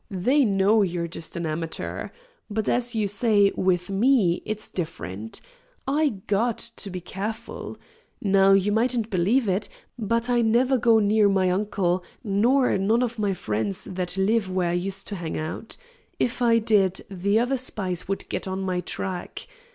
"They know you're just an amateur. But, as you say, with me, it's different. I GOT to be careful. Now, you mightn't believe it, but I never go near my uncle nor none of my friends that live where I used to hang out. If I did, the other spies would get on my track.